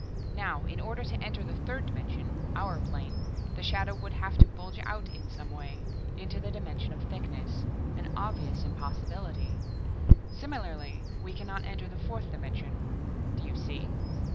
Now in order to enter the third dimension, our plane, the shadow would have to bulge out in some way, into the dimension of thickness an obvious impossibility. Similarly, we can not enter the fourth dimension. Do you see?"